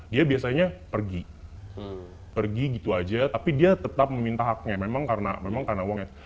dia biasanya pergi pergi gitu aja tapi dia tetap meminta haknya memang karena memang karena uangnya